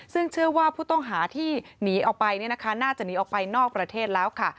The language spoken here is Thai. ซึ่งเชื่อว่าผู้ต้องหาที่หนีออกไปน่าจะหนีออกไปนอกประเทศแล้วค่ะ